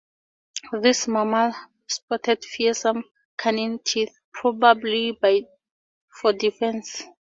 This mammal sported fearsome canine teeth, probably for defense.